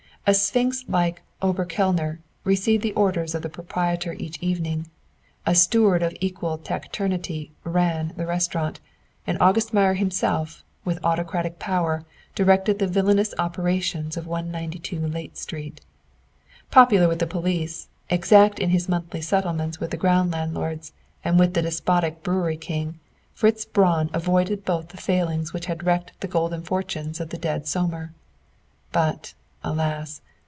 A sphinx like "Oberkellner" received the orders of the proprietor each evening; a steward of equal taciturnity "ran" the restaurant, and August Meyer himself, with autocratic power, directed the villainous operations of No. 192 Layte Street. Popular with the police, exact in his monthly settlements with the ground landlords and the despotic brewery king, Fritz Braun avoided both the failings which had wrecked the golden fortunes of the dead Sohmer. But, alas!